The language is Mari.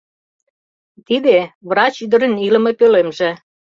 Тиде — врач ӱдырын илыме пӧлемже.